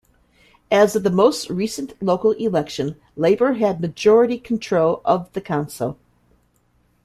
As of the most recent local election, Labour had majority control of the council.